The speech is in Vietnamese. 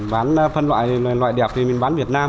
bán phân loại đẹp thì mình bán việt nam